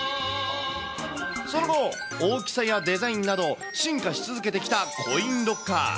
その後、大きさやデザインなど、進化し続けてきたコインロッカー。